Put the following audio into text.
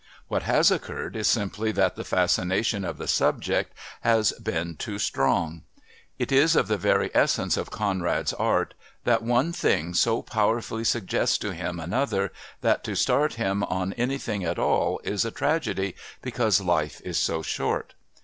What has occurred is simply that the fascination of the subject has been too strong. It is of the very essence of Conrad's art that one thing so powerfully suggests to him another that to start him on anything at all is a tragedy, because life is so short.